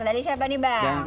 dari siapa nih bang